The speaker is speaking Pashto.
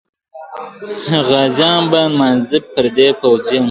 غازیان به نمانځي پردي پوځونه .